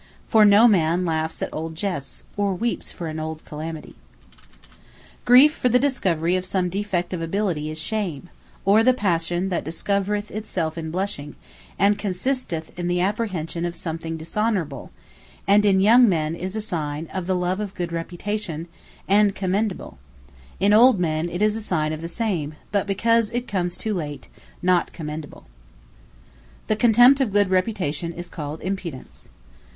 For no man Laughs at old jests; or Weeps for an old calamity. Shame Blushing Griefe, for the discovery of some defect of ability is SHAME, or the passion that discovereth itself in BLUSHING; and consisteth in the apprehension of some thing dishonourable; and in young men, is a signe of the love of good reputation; and commendable: in old men it is a signe of the same; but because it comes too late, not commendable. Impudence The Contempt of good reputation is called IMPUDENCE.